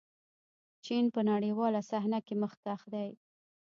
چین په نړیواله صحنه کې مخکښ دی.